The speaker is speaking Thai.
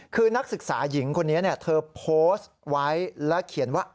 คือนักศึกษาหญิงคนนี้เธอโพสต์ไว้แล้วเขียนว่า